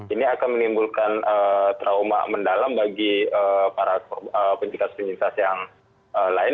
ini akan menimbulkan trauma mendalam bagi para penciptas penyintas yang lain